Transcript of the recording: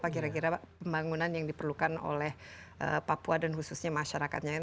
apa kira kira pembangunan yang diperlukan oleh papua dan khususnya masyarakatnya